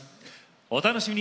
お楽しみに。